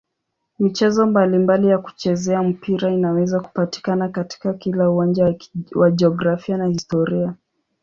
Michezo mbalimbali ya kuchezea mpira inaweza kupatikana katika kila uwanja wa jiografia na historia.